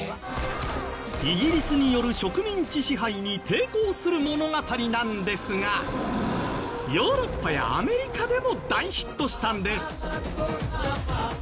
イギリスによる植民地支配に抵抗する物語なんですがヨーロッパやアメリカでも大ヒットしたんです。